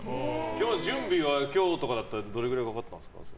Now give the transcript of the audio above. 準備は、今日とかだったらどれくらいかかってますか？